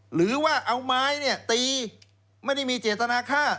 หรือว่าเอาไม้เนี่ยตีไม่ได้มีเจตนาฆ่า